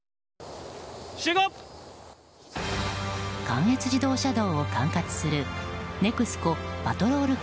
関越自動車道を管轄するネクスコ・パトロール